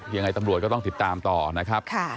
ยังไงตำรวจก็ต้องติดตามต่อนะครับ